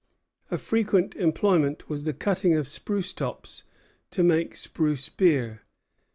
A frequent employment was the cutting of spruce tops to make spruce beer.